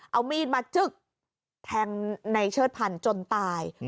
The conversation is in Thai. เอามีดมาจึ๊กแทงในเชิดพันธ์จนตาย